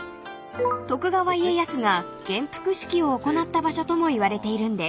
［徳川家康が元服式を行った場所ともいわれているんです］